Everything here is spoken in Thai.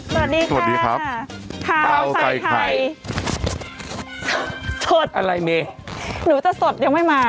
สวัสดีค่ะสวัสดีครับขาวใส่ไข่สดอะไรเมหนูจะสดยังไม่มา